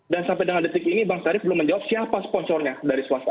dan sampai dengan detik ini bang syarif belum menjawab siapa sponsornya dari swasta